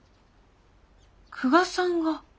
久我さんが？